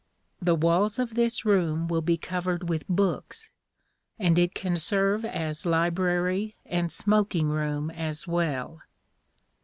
The walls of this room will be covered with books, and it can serve as library and smoking room as well.